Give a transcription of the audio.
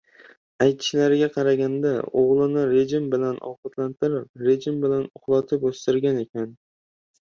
Aytishlariga qaraganda, o‘g’lini rejim bilan ovqatlantirib, rejim bilan uxlatib o‘stirgan ekan.